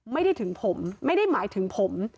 ไม่ได้ถึงผมไม่ได้หมายถึงผม